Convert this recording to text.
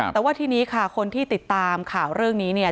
แต่ว่าทีนี้ค่ะคนที่ติดตามข่าวเรื่องนี้เนี่ย